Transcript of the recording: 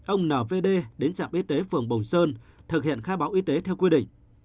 ông n v đến trạm y tế phường bồng sơn thực hiện khai báo y tế theo quy định